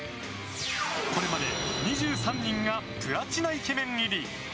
これまで２３人がプラチナイケメン入り！